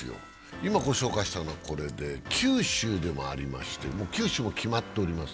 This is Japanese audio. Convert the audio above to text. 今、御紹介したのはこれで九州でもありまして、もう九州では決まっております。